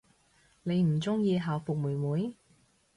你唔鍾意校服妹妹？